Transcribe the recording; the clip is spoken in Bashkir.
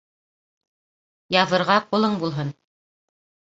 Яҙырға ҡулың булһын